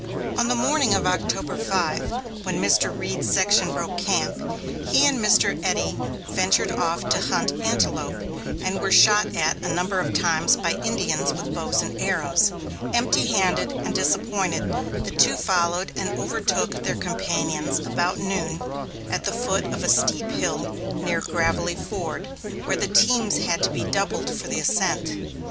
On the morning of October 5, when Mr. Reed's section broke camp, he and Mr. Eddy ventured off to hunt antelope, and were shot at a number of times by Indians with bows and arrows. Empty handed and disappointed, the two followed and overtook their companions about noon, at the foot of a steep hill near "Gravelly Ford," where the teams had to be doubled for the ascent.